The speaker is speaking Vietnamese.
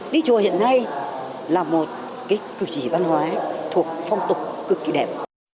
đi chùa hiện nay là một cực trì văn hóa thuộc phong tục cực kỳ đẹp